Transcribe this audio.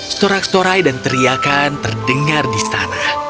storak storai dan teriakan terdengar di sana